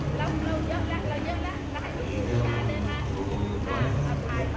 สวัสดีครับสวัสดีครับ